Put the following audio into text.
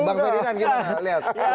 bang ferdinand kita lihat